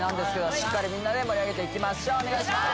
しっかりみんなで盛り上げていきましょうお願いします